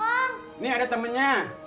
ini ada temennya